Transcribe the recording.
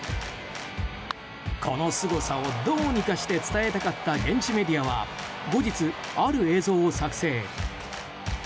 このすごさを、どうにかして伝えたかった現地メディアは後日、ある映像を作成。